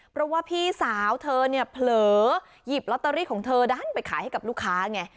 เพราะว่าพี่สาวเธอเนี่ยเผลอหยิบลอตเตอรี่ของเธอดันไปขายให้กับลูกค้าไง